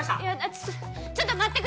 ちょっとちょっと待ってください